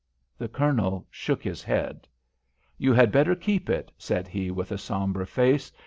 The Colonel shook his head. "You had better keep it," said he, with a sombre face.